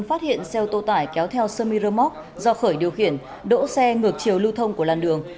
phát hiện xeo tô tải kéo theo semi remote do khởi điều khiển đỗ xe ngược chiều lưu thông của làn đường